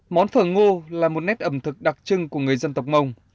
món phở ngô là một nét ẩm thực đặc trưng của người dân tộc mông